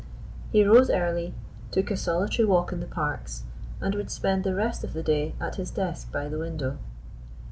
He rose early, took a solitary walk in the parks, and would spend the rest of the day at his desk by the window.